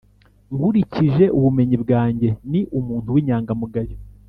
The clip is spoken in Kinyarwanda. nkurikije ubumenyi bwanjye, ni umuntu w'inyangamugayo